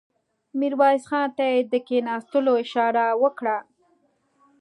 ميرويس خان ته يې د کېناستلو اشاره وکړه.